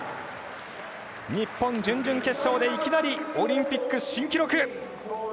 日本、準々決勝でいきなりオリンピック新記録！